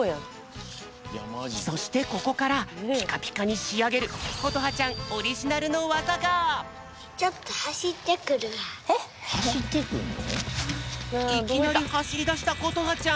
そしてここからピカピカにしあげることはちゃんいきなりはしりだしたことはちゃん。